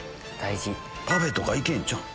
パフェとか行けんちゃう？